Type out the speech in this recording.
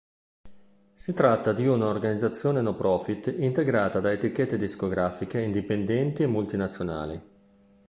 Si tratta di una organizzazione no-profit integrata da etichette discografiche indipendenti e multinazionali.